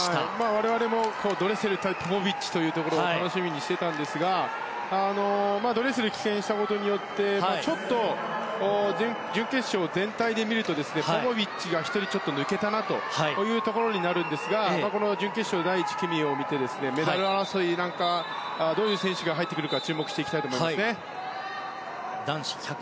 我々もドレセル対ポポビッチを楽しみにしていたんですがドレセルが棄権したことによってちょっと、準決勝全体で見るとポポビッチが１人ちょっと抜けたなということになるんですが準決勝第１組を見てメダル争いにどういう選手が入ってくるか注目していきたいと思います。